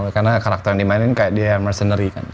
karena karakter yang dimainin kayak dia mercenary kan